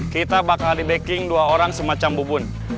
kita bakal di backing dua orang semacam bubun